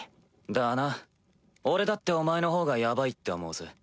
だな俺だってお前のほうがヤバいって思うぜ。